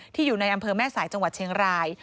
อยู่ในอำเภอแม่สายจังหวัดเชียงราย